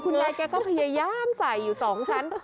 ยายแกก็พยายามใส่อยู่๒ชั้น